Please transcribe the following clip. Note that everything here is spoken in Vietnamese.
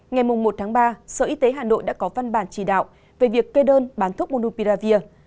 ngày một ba sở y tế hà nội đã có văn bản chỉ đạo về việc kê đơn bán thuốc munupiravir